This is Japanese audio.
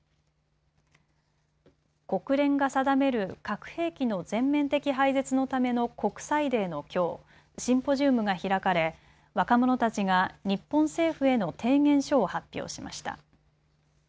国連が定める核兵器の全面的廃絶のための国際デーのきょう、シンポジウムが開かれ若者たちが日本政府への提言書を発表しました。